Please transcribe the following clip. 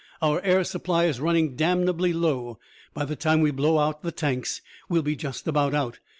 Our air supply is running damnably low. By the time we blow out the tanks we'll be just about out.